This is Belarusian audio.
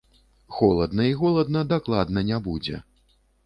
Холадна і голадна дакладна не будзе.